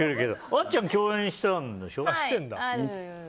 あっちゃん、共演したんでしょ？